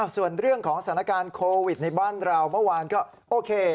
ส่วนเรื่องของสถานการณ์โควิดในบ้านเราเมื่อวานก็โอเค